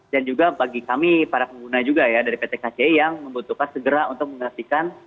dan juga bagi kami para pengguna juga ya dari pt kc yang membutuhkan segera untuk menghasilkan